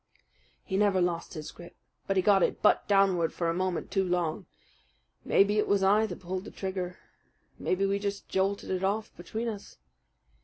"He never lost his grip; but he got it butt downward for a moment too long. Maybe it was I that pulled the trigger. Maybe we just jolted it off between us.